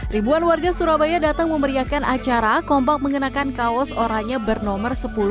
ribuan warga surabaya datang memeriakan acara kompak mengenakan kaos oranya bernomor sepuluh